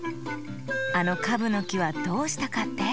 あのカブのきはどうしたかって？